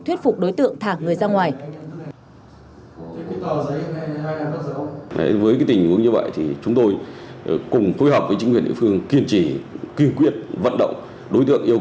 thuyết phục đối tượng thả người ra ngoài